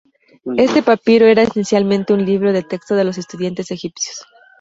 Este papiro era esencialmente un libro de texto de los estudiantes egipcios.